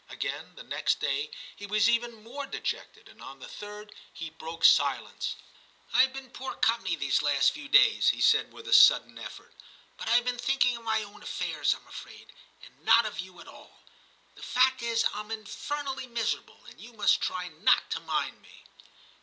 Again, the next day, he was even more dejected, and on the third he broke silence. * I Ve been poor company these last few days,' he said with a sudden effort, * but IVe been thinking of my own affairs, Tm afraid, and not of you at all. The fact is Tm infernally miserable, and you must try not to mind me.'